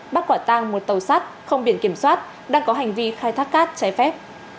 bắt quả tang một tàu sắt không biển kiểm soát đang có hành vi khai thác cát trái phép